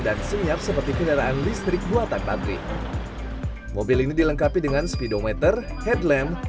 dan senyap seperti kendaraan listrik buatan pabrik mobil ini dilengkapi dengan speedometer headlamp